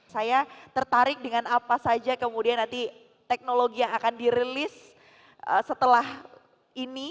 saya tertarik dengan apa saja kemudian nanti teknologi yang akan dirilis setelah ini